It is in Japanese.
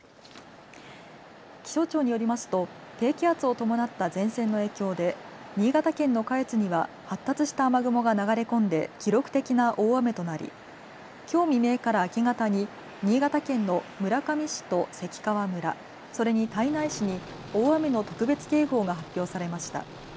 気象庁によりますと低気圧を伴った前線の影響で新潟県の下越には発達した雨雲が流れ込んで記録的な大雨となりきょう未明から明け方に新潟県の村上市と関川村、それに胎内市に大雨の特別警報が発表されました。